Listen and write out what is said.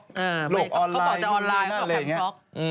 โหลดออนไลน์ใช่ไหมช่างน่ะเลยอย่างนี้